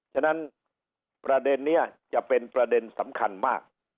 ฉะนั้นประเด็นนี้จะเป็นประเด็นสำคัญมาก